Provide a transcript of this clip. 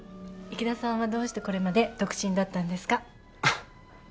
池田さんはどうしてこれまで独身だったんですか？